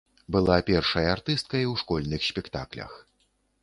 Была першай артысткай у школьных спектаклях.